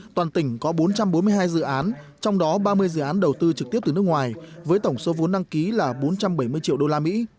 toàn tỉnh có bốn trăm bốn mươi hai dự án trong đó ba mươi dự án đầu tư trực tiếp từ nước ngoài với tổng số vốn đăng ký là bốn trăm bảy mươi triệu đô la mỹ